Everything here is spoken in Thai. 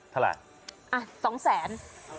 เท่าไหร่อ่ะ๒แสน